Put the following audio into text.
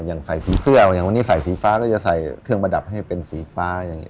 อย่างใส่สีเสื้ออย่างวันนี้ใส่สีฟ้าก็จะใส่เครื่องประดับให้เป็นสีฟ้าอย่างนี้